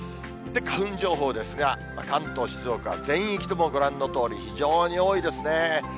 花粉情報ですが、関東、静岡は全域とも、ご覧のとおり、非常に多いですね。